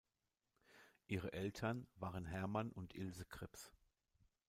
Ihre Eltern waren Hermann und Ilse Krips.